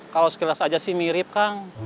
kalau sekilas aja sih mirip kang